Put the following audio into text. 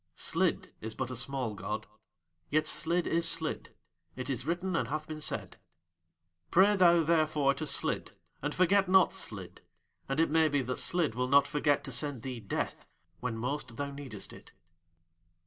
"Slid is but a small god. Yet Slid is Slid it is written and hath been said. "Pray, thou, therefore, to Slid, and forget not Slid, and it may be that Slid will not forget to send thee Death when most thou needest it."